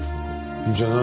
じゃあ何？